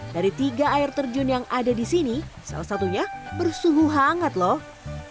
dari tiga air terjun yang ada di sini salah satunya bersuhu hangat loh